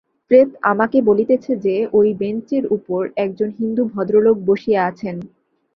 প্রেত আমাকে বলিতেছে যে, ঐ বেঞ্চের উপর একজন হিন্দু ভদ্রলোক বসিয়া আছেন।